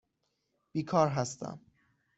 بیکار هستم.